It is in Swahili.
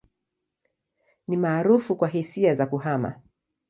Ni maarufu kwa hisia za kuhama.